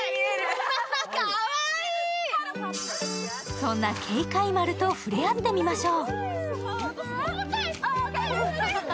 そんなケイカイマルと触れ合ってみましょう。